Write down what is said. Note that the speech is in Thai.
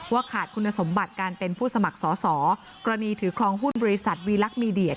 ขาดคุณสมบัติการเป็นผู้สมัครสอสอกรณีถือครองหุ้นบริษัทวีลักษณ์มีเดีย